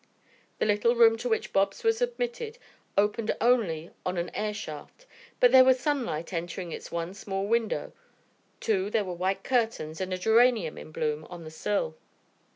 The little room to which Bobs was admitted opened only on an air shaft, but there was sunlight entering its one small window; too, there were white curtains and a geranium in bloom on the sill.